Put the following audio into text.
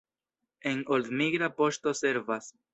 En Old migra poŝto servas.